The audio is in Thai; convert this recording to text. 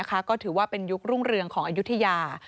ก็ถือว่าเป็นยุครุ่งเรืองของอายุทยา